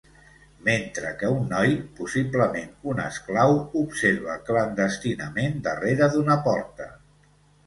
Mentre que un noi, possiblement un esclau, observa clandestinament darrere d'una porta.